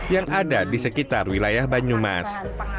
yang ada di sekitar wilayah banyumas